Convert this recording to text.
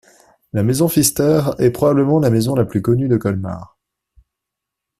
La maison Pfister est probablement la maison la plus connue de Colmar.